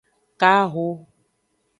Kaho.